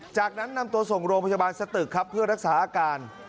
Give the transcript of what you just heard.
จากนั้นนำตัวส่งโรงพยาบาลสตึกครับเพื่อรักษาอาการ